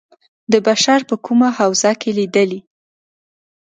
د بشر په کومه حوزه کې لېدلي.